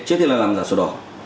trước tiên là làm giả sổ đỏ